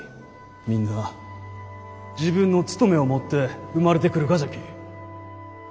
みんな自分の務めを持って生まれてくるがじゃき。